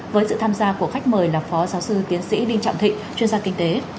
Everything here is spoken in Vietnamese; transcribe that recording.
với sự tham gia của khách mời là phó giáo sư tiến sĩ đinh trọng thịnh chuyên gia kinh tế